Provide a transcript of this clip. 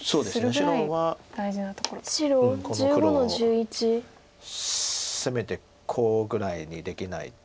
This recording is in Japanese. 白はこの黒をせめてコウぐらいにできないと。